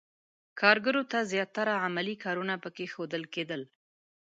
کارګرو ته زیاتره عملي کارونه پکې ښودل کېدل.